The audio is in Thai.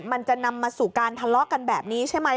มันจะนำมาสู่การทะเลาะกันแบบนี้ใช่ไหม